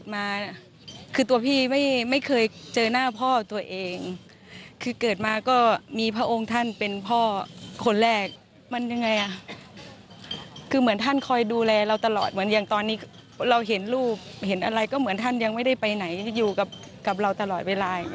แม้ว่าวันนี้อากาศจะร้อนอบอ้าว